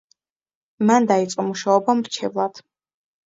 მან დაიწყო მუშაობა მრჩევლად.